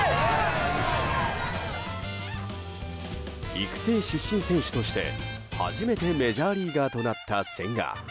育成出身選手として初めてメジャーリーガーとなった千賀。